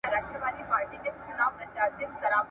لکه جوړه له ګوهرو له الماسه ..